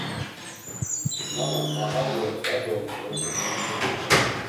Nana ma hay vore, yado mğoru.